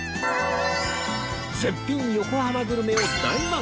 絶品横浜グルメを大満喫